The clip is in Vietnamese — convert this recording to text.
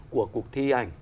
của cuộc thi ảnh